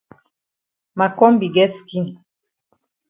Ma kombi get skin.